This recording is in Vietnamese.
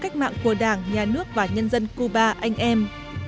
cách mạng của đảng nhà nước và nhân dân cuba anh em